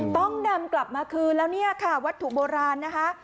ต้องนำกลับมาคืนแล้วเนี่ยค่ะวัตถุโบราณนะคะ